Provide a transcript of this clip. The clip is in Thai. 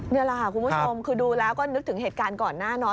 นี่แหละค่ะคุณผู้ชมคือดูแล้วก็นึกถึงเหตุการณ์ก่อนหน้าเนาะ